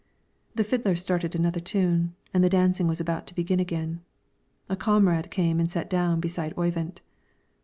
The fiddler started another tune, and the dancing was about to begin again. A comrade came and sat down beside Oyvind.